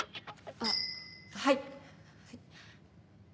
あっはい。